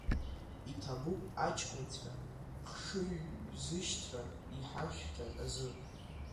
Иҭабуп, аҷкәынцәа, хшыҩзышьҭра иҳашәҭаз азы!